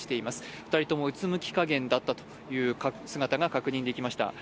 ２人ともうつむきかげんという姿が確認されました。